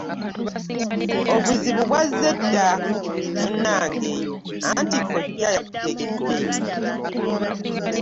Obuzibu bwazze dda munnange anti kkojja yakutegedde.